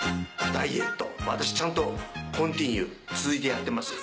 ダイエット私ちゃんとコンティニュー続いてやってます。